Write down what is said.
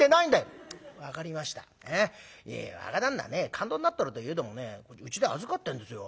勘当になってるっていえどもねうちで預かってんですよ。